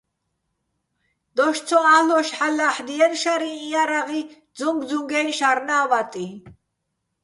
დოშ ცო ა́ლ'ოშ ჰ̦ალო̆ ლა́ჰ̦დიენი̆ შარიჼ იარაღი, ძუჼგძუჼგაჲნო̆ შარნა́ ვატიჼ.